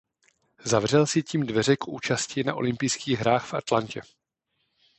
Zavřel si tím dveře k účasti na olympijských hrách v Atlantě.